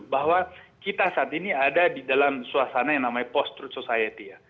bahwa kita saat ini ada di dalam suasana yang namanya post truth society ya